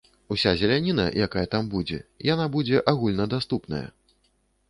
Уся зеляніна, якая там будзе, яна будзе агульнадаступная.